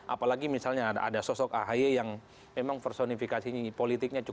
apalagi misalnya ada sosok ahy yang memang personifikasinya politiknya cukup